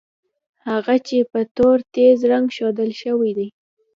هغه چې په تور تېز رنګ ښودل شوي دي.